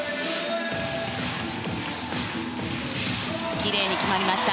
きれいに決まりました。